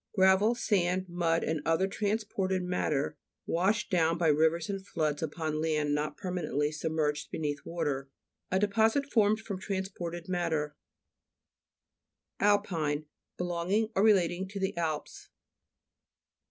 Gravel, sand, mud, and other transported matter washed down by rivers and floods upon land not permanently sub merged beneath water. A deposit formed from transported matter, (p. 94.) ALPINE Belonging or relating to the Alps.